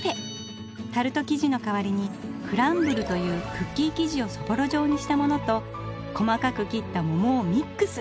タルト生地の代わりにクランブルというクッキー生地をそぼろ状にしたものと細かく切った桃をミックス！